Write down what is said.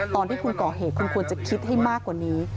ตอนที่คุณก่อเหตุคุณควรจะคิดให้มากกว่านี้